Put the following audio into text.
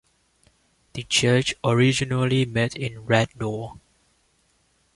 The church originally met in Radnor.